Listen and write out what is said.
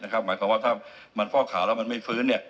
หมายความว่าถ้ามันฟอกขาวแล้วมันไม่ฟื้น